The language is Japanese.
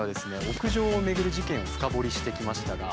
屋上をめぐる事件を深掘りしてきましたが。